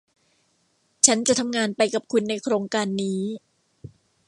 ฉันจะทำงานไปกับคุณในโครงการนี้